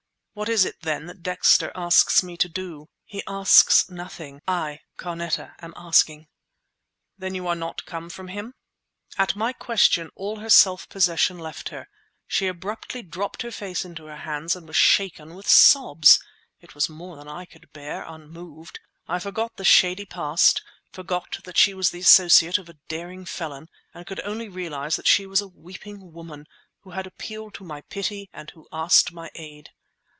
"What is it, then, that Dexter asks me to do?" "He asks nothing. I, Carneta, am asking!" "Then you are not come from him?" At my question, all her self possession left her. She abruptly dropped her face into her hands and was shaken with sobs! It was more than I could bear, unmoved. I forgot the shady past, forgot that she was the associate of a daring felon, and could only realize that she was a weeping woman, who had appealed to my pity and who asked my aid.